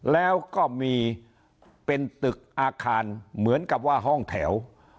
แล้วก็มีเป็นตึกอาคารเหมือนกับว่าห้องแถว